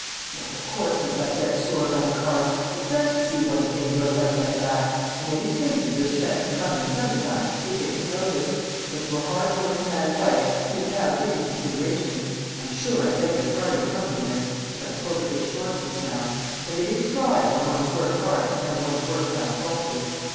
"Well, of course, miss, I set store by the card. It's nice to see one's name wrote out like that, and any strangers as chance to come in the summer time, they takes notice; but to a hard working man's wife two pound is a consideration. I'm sure I beg your parding humbly, miss, if I spoke a bit short just now; but it is trying, when one has worked hard, to have one's work found fault with."